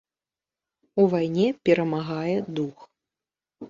У вайне перамагае дух.